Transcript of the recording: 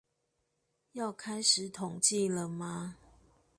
要開始統計了嗎？